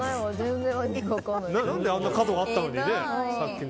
何であんな角があったのにね。